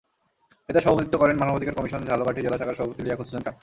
এতে সভাপতিত্ব করেন মানবাধিকার কমিশন ঝালকাঠি জেলা শাখার সভাপতি লিয়াকত হোসেন খান।